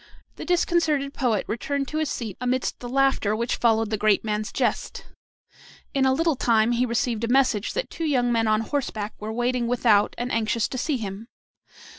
The disconcerted poet returned to his seat amidst the laughter which followed the great man's jest. In a little time he received a message that two young men on horseback were waiting without and anxious to see him.